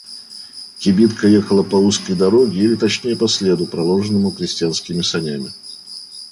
Кибитка ехала по узкой дороге, или точнее по следу, проложенному крестьянскими санями.